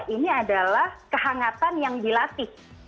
ini adalah kehangatan yang dilatih